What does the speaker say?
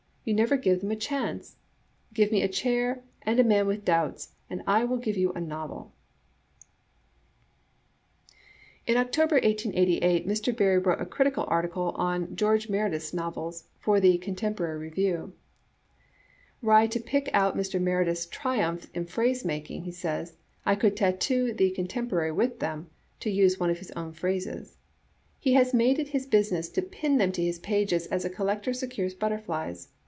You never give them a chance. Give me a chair and a man with doubts, and I will give you a novel !" In October, 1888, Mr. Barrie wrote a critical article on "George Meredith's Novels" for the Contemporary RevieuK "Were I to pick out Mr. Meredith's triumphs in phrasemaking," he says, "I could tattoo the Contempo rary with them — to use one of his own phrdses. He has made it his business to pin them to his pages as a collector secures butterflies.